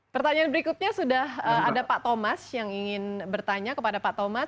pertanyaan berikutnya sudah ada pak thomas yang ingin bertanya kepada pak thomas